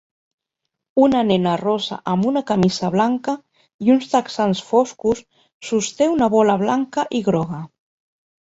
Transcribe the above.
Una nena rossa amb una camisa blanca i uns texans foscos sosté una bola blanca i groga.